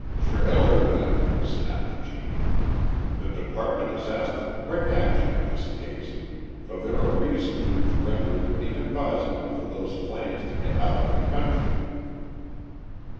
"Trail her, then!" snapped the chief. "The department has asked for quick action in this case, for there are reasons which render it inadvisable for those plans to get out of the country."